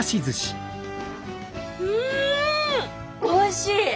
おいしい！